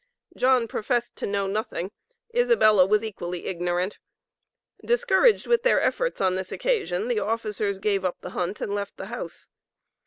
John professed to know nothing; Isabella was equally ignorant. Discouraged with their efforts on this occasion, the officers gave up the hunt and left the house.